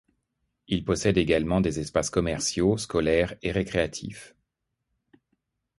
Il possède également des espaces commerciaux, scolaires et récréatifs.